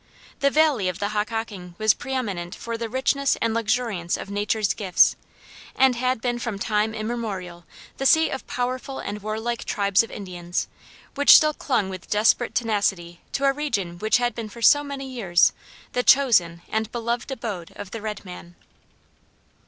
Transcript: The valley of the Hockhocking was preëminent for the richness and luxuriance of nature's gifts, and had been from time immemorial the seat of powerful and warlike tribes of Indians, which still clung with desperate tenacity to a region which had been for so many years the chosen and beloved abode of the red man.